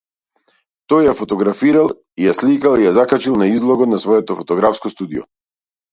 Тој ја фотографирал, и сликата ја закачил на на излогот на своето фотографско студио.